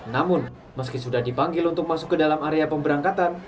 namun meski sudah dipanggil untuk masuk ke dalam area pemberangkatan